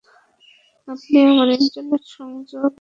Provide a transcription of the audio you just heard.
আপনি আমার ইন্টারনেট সংযোগ এবং টিভি ট্রান্সমিশন বিচ্ছিন্ন করেছেন।